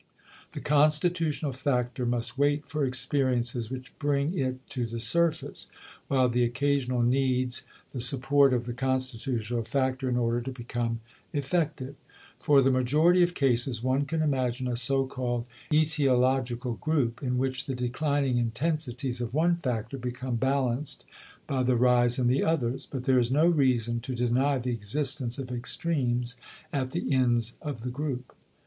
The constitutional factor must wait for experiences which bring it to the surface, while the occasional needs the support of the constitutional factor in order to become effective. For the majority of cases one can imagine a so called "etiological group" in which the declining intensities of one factor become balanced by the rise in the others, but there is no reason to deny the existence of extremes at the ends of the group.